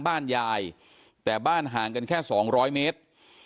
บ้านยายแต่บ้านห่างกันแค่๒๐๐เมตร